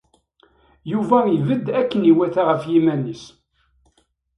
Yuba ibedd akken iwata ɣef yiman-is.